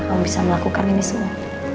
kamu bisa melakukan ini semua